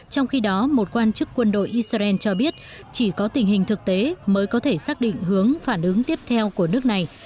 trong khi đó một quan chức quân đội israel cho biết chỉ có tình hình thực tế mới có thể xác định hướng phản ứng tiếp theo của nước này